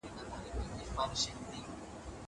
زه به اوږده موده قلم استعمالوم کړی وم.